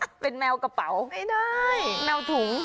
เป็นแมวกระเป๋าไม่ได้แมวถุง